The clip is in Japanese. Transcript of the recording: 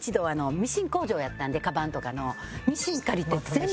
ミシン工場やったんでカバンとかの。